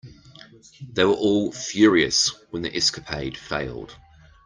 They were all furious when the escapade failed.